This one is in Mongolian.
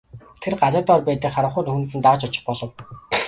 Тэр газар дор байдаг харанхуй нүхэнд нь дагаж очих болов.